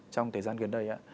trong thời gian gần đây